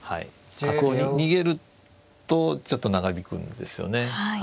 角を逃げるとちょっと長引くんですよね。